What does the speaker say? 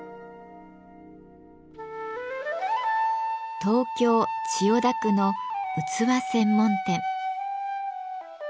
東京・千代田区の器専門店。